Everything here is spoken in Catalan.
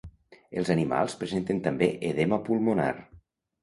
Els animals presenten també edema pulmonar.